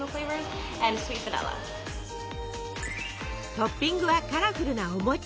トッピングはカラフルなお餅。